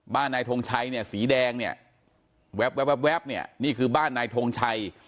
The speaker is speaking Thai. นายทงชัยเนี่ยสีแดงเนี่ยแว๊บเนี่ยนี่คือบ้านนายทงชัย